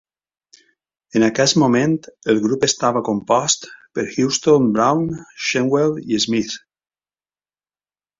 En aquest moment, el grup estava compost per Houston, Brown, Shernwell i Smith.